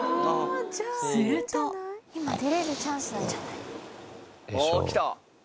するとおぉきた。